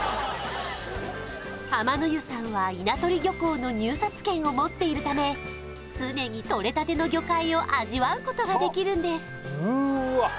浜の湯さんは稲取漁港の入札権を持っているため常にとれたての魚介を味わうことができるんです